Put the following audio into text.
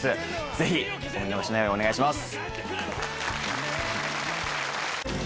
ぜひお見逃しないようお願いします！